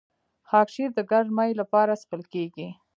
خاکشیر د ګرمۍ لپاره څښل کیږي.